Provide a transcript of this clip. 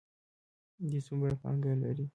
دوی څومره پانګه لري؟